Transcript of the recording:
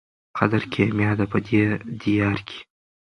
قدر کېمیا دی په دې دیار کي